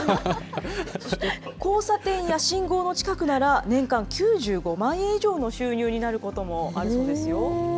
そして交差点や信号の近くなら、年間９５万円以上の収入になることもあるそうですよ。